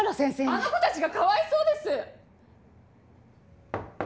あの子たちがかわいそうです！